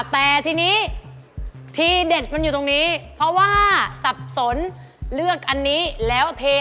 แต่ทีนี้ทีเด็ดมันอยู่ตรงนี้เพราะว่าสับสนเลือกอันนี้แล้วเท